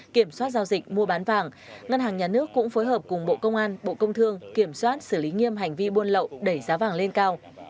kiểm soát giao dịch mua bán vàng ngân hàng nhà nước cũng phối hợp cùng bộ công an bộ công thương kiểm soát xử lý nghiêm hành vi buôn lậu đẩy giá vàng lên cao